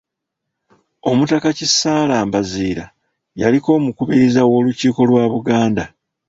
Omutaka Kisaala Mbaziira yaliko omukubiriza w’Olukiiko lwa Buganda.